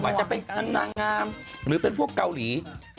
ว่าจะเป็นนางงามหรือเป็นพวกเกาหลี